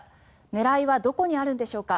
狙いはどこにあるんでしょうか。